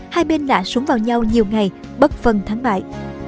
hai bên lạ súng vào nhau nhiều ngày bất phân thắng bại